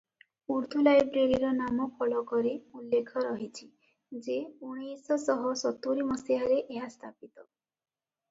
ଉର୍ଦ୍ଦୁ ଲାଇବ୍ରେରୀର ନାମଫଳକରେ ଉଲ୍ଲେଖ ରହିଛି ଯେ ଉଣେଇଶ ଶହ ସତୁରୀ ମସିହାରେ ଏହା ସ୍ଥାପିତ ।